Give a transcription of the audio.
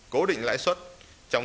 cố định lãi suất trong